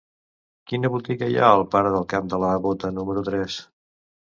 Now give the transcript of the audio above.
Quina botiga hi ha al parc del Camp de la Bota número tres?